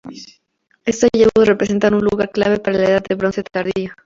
Estos hallazgos representan un lugar clave para la Edad de Bronce tardía.